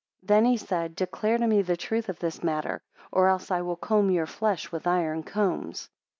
Then he said, Declare to me the truth of this matter, or else I will comb your flesh with iron combs.